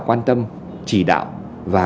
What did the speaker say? quan tâm chỉ đạo và